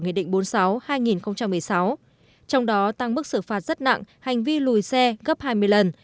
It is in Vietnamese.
nghị định bốn mươi sáu hai nghìn một mươi sáu trong đó tăng mức xử phạt rất nặng hành vi lùi xe gấp hai mươi lần